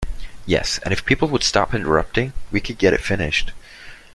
Yes, and if people would stop interrupting we could get it finished.